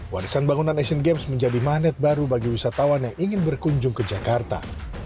warisan bangunan asian games menjadi magnet baru bagi wisatawan yang ingin berkunjung ke jakarta